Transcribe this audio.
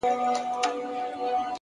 لوړ فکر نوې مفکورې زېږوي!